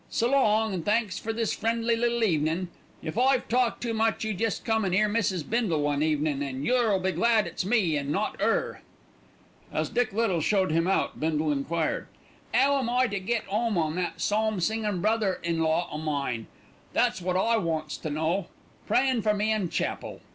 S' long, and thanks for this friendly little evenin'. If I've talked too much you jest come and 'ear Mrs. Bindle one evenin' and yer'll be glad it's me and not 'er." As Dick Little showed him out Bindle enquired: "'Ow am I to get 'ome on that psalm singin' brother in law o' mine? that's wot I wants to know. Prayin' for me in chapel."